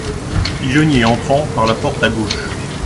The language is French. Pigeonnier entrant par la porte à gauche.